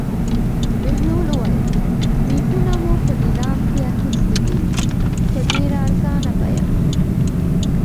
بهلول وویل: مېخونه مو په لېلام کې اخیستي دي په ډېره ارزانه بیه.